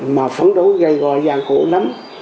mà phấn đấu gây gòi gian khổ lắm